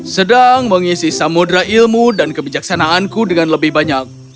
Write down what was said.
sedang mengisi samudera ilmu dan kebijaksanaanku dengan lebih banyak